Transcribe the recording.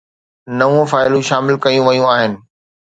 نو فائلون شامل ڪيون ويون آهن